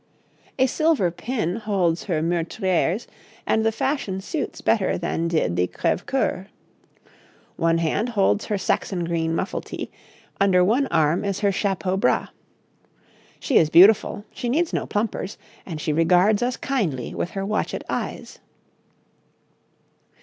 A silver pin holds her meurtriers, and the fashion suits better than did the crève coeurs. One hand holds her Saxon green muffetee, under one arm is her chapeau bras. She is beautiful, she needs no plumpers, and she regards us kindly with her watchet eyes.'